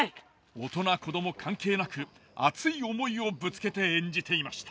大人子ども関係なく熱い思いをぶつけて演じていました。